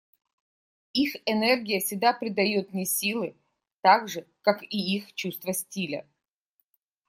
Их энергия всегда придает мне силы, так же как и их чувство стиля.